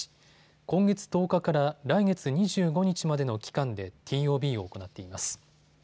今月１０日から来月２５日までの期間でＴＯＢを行っています。